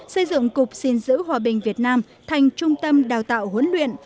xây dựng cục xin giữ hòa bình việt nam thành trung tâm đào tạo huấn luyện